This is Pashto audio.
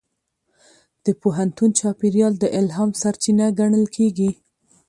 د پوهنتون چاپېریال د الهام سرچینه ګڼل کېږي.